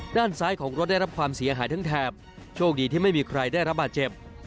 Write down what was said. ด้านซ้ายของรถได้รับความเสียหายทั้งแถบโชคดีที่ไม่มีใครได้รับบาดเจ็บ